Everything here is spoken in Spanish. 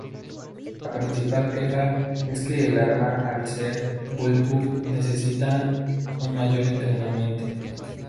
La principal queja es que el arma al ser bullpup, necesita un mayor entrenamiento.